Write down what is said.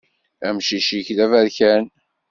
Amcic-ik d aberkan.